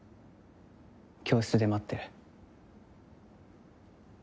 教室で待ってる。